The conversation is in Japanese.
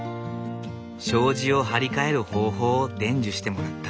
障子を張り替える方法を伝授してもらった。